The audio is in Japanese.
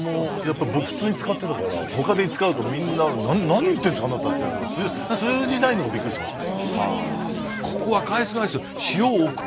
僕普通に使ってたからほかで使うと「何言ってるんですかあなた」って言われて通じないのがびっくりしました。